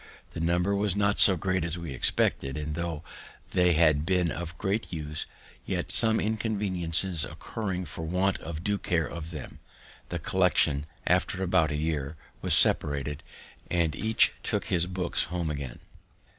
The number was not so great as we expected; and tho' they had been of great use, yet some inconveniences occurring for want of due care of them, the collection, after about a year, was separated, and each took his books home again.